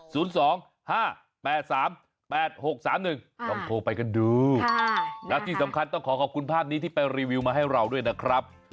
ลองโทรไปกันดูแล้วที่สำคัญต้องขอขอบคุณภาพนี้ที่ไปรีวิวมาให้เราด้วยนะครับ